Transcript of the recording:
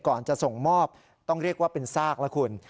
ก่อนจะส่งมอบต้องเรียกว่าเป็นซากแล้วคุณ